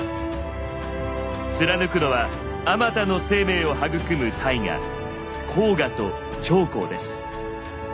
貫くのはあまたの生命を育む大河黄河と長江です。